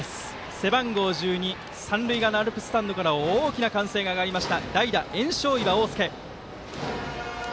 背番号１２三塁側のアルプススタンドから大きな歓声が上がった代打、焔硝岩央輔。